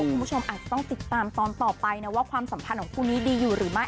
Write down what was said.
คุณผู้ชมอาจจะต้องติดตามตอนต่อไปนะว่าความสัมพันธ์ของคู่นี้ดีอยู่หรือไม่